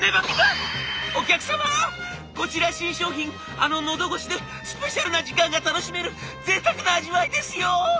あののどごしでスペシャルな時間が楽しめるぜいたくな味わいですよ！」。